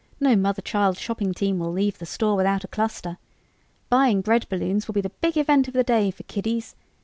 No mother child shopping team will leave the store without a cluster. Buying bread balloons will be the big event of the day for kiddies.